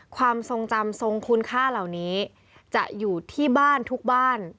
ความทรงจำทรงคุณค่าเหล่านี้จะอยู่ที่บ้านทุกบ้าน